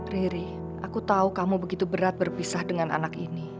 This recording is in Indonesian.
riri aku tahu kamu begitu berat berpisah dengan anak ini